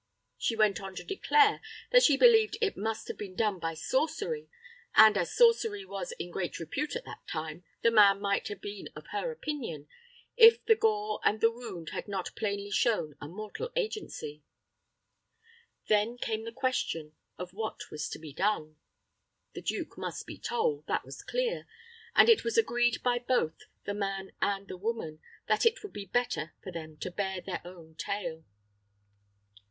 She went on to declare that she believed it must have been done by sorcery; and as sorcery was in great repute at that time, the man might have been of her opinion, if the gore and the wound had not plainly shown a mortal agency. Then came the question of what was to be done. The duke must be told that was clear; and it was agreed by both the man and the woman that it would be better for them to bear their own tale.